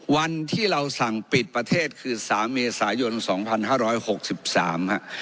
วันที่เราสั่งปิดประเทศคือ๓เมษายน๒๕๖๓ครับ